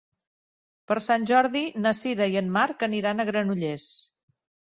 Per Sant Jordi na Sira i en Marc aniran a Granollers.